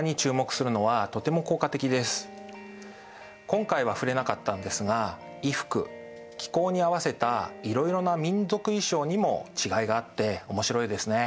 今回は触れなかったんですが衣服気候に合わせたいろいろな民族衣装にも違いがあって面白いですね。